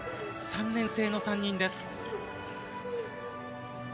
３年生の３人です。